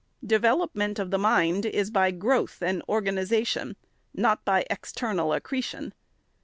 Development of mind is by growth and organization, not by external accretion.